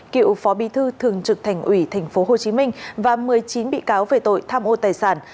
cựu phó bí thư thường trực thành ủy tp hcm và một mươi chín bị cáo về tội tham ô tài sản